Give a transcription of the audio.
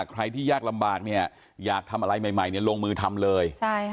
ใครที่ยากลำบากเนี่ยอยากทำอะไรใหม่ลงมือทำเลย